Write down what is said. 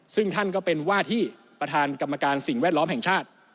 ซึ่งท่านก็เป็นว่าที่ประธานกรรมการสิ่งแวดล้อมแห่งชาติ